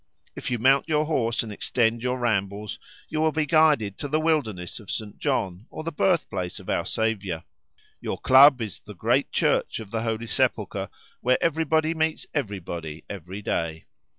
If you mount your horse and extend your rambles you will be guided to the wilderness of St. John, or the birthplace of our Saviour. Your club is the great Church of the Holy Sepulchre, where everybody meets everybody every day.